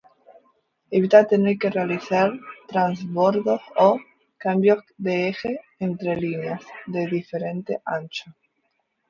Evita tener que realizar transbordos o cambios de ejes entre líneas de diferente ancho.